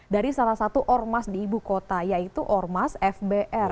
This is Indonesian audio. dari salah satu ormas di ibu kota yaitu ormas fbr